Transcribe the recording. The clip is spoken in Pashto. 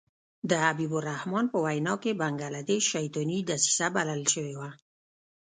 د حبیب الرحمن په وینا کې بنګله دېش شیطاني دسیسه بلل شوې وه.